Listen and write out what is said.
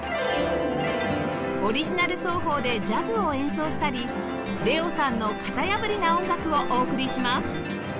オリジナル奏法でジャズを演奏したり ＬＥＯ さんの型破りな音楽をお送りします